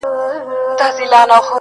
• له هيبته ډک مخونه -